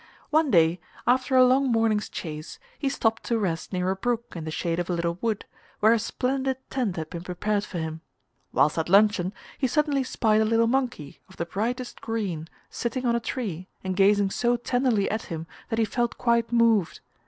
One day, after a long morning's chase he stopped to rest near a brook in the shade of a little wood, where a splendid tent had been prepared for him. Whilst at luncheon he suddenly spied a little monkey of the brightest green sitting on a tree and gazing so tenderly at him that he felt quite moved.